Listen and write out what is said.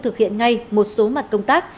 thực hiện ngay một số mặt công tác